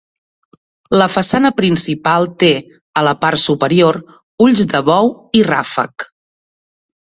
La façana principal té, a la part superior, ulls de bou i ràfec.